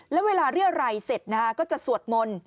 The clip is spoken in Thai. แล้วเวลาเรื่อไรเสร็จก็จะสวดมนตร์